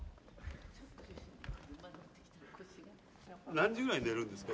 何時ぐらいに寝るんですか？